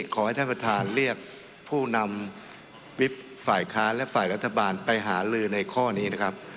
ขอให้ท่านประธานเรียกผู้นำวิบฝ่ายค้านและฝ่ายรัฐบาลไปหาลือในข้อนี้นะครับ